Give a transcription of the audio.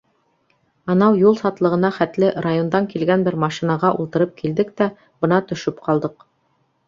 Анау юл сатлығына хәтле райондан килгән бер машинаға ултырып килдек тә, бына төшөп ҡалдыҡ.